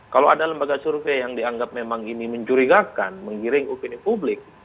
kalau ada lembaga survei yang dianggap memang ini mencurigakan menggiring opini publik